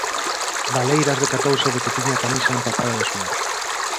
Valeiras decatouse de que tiña a camisa empapada de suor.